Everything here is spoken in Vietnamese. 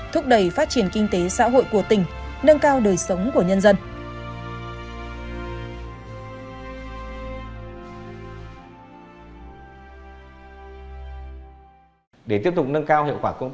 thúc đẩy phát triển kinh tế xã hội quốc